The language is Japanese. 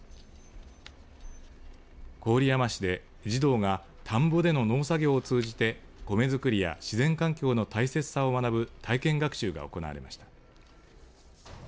郡山市で児童が田んぼでの農作業を通じて米作りや自然環境の大切さを学ぶ体験学習が行われました。